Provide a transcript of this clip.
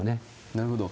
なるほど。